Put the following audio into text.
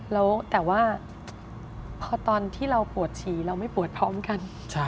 แล้วแต่ว่าพอตอนที่เราปวดฉี่เราไม่ปวดพร้อมกัน